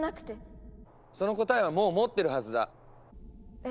その答えはもう持ってるはずだ。え？